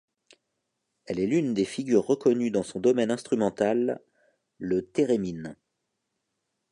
Elle est l'une des figures reconnues dans son domaine instrumental, le thérémine.